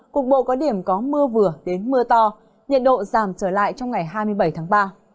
cục bộ có điểm có mưa vừa đến mưa to nhiệt độ giảm trở lại trong ngày hai mươi bảy tháng ba